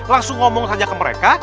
langsung ngomong saja ke mereka